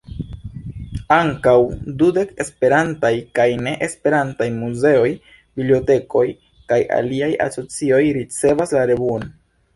Ankaŭ dudek Esperantaj kaj ne-Esperantaj muzeoj, bibliotekoj kaj aliaj asocioj ricevas la revuon.